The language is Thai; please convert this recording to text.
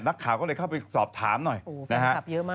นักข่าวก็เลยเข้าไปสอบถามหน่อยนะฮะ